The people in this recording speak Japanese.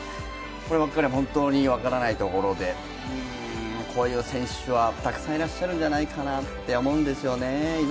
こればっかりは本当に分からないところで、こういう選手はたくさんいらっしゃるんじゃないかなって思うんですよね。